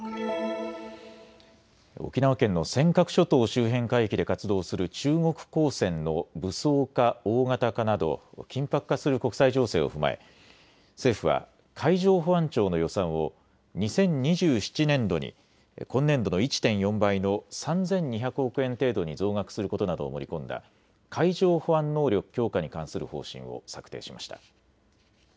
沖縄県の尖閣諸島周辺海域で活動する中国公船の武装化・大型化など緊迫化する国際情勢を踏まえ、政府は海上保安庁の予算を２０２７年度に今年度の１．４倍の３２００億円程度に増額することなどを盛り込んだ海上保安能力強化に関する方針を策定しました。